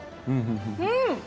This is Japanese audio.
うん！